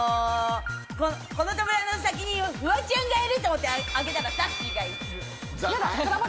この扉の先にフワちゃんがいると思って開けたら、さっしーがいる。